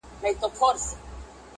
نیمګړي عمر ته مي ورځي د پېغور پاته دي-